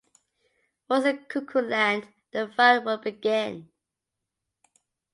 Once in Cuckoo Land, the fun would begin.